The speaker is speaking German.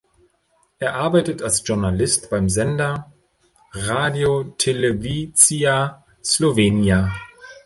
Er arbeitet als Journalist beim Sender Radio Televizija Slovenija.